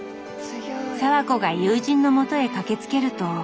早和子が友人のもとへ駆けつけると。